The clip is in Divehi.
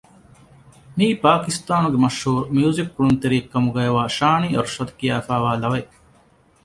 މިއީ ޕާކިސްތާނުގެ މަޝްހޫރު މިއުޒިކު ކުޅުންތެރިއެއް ކަމުގައިވާ ޝާނީ އަރްޝަދް ކިޔާފައިވާ ލަވައެއް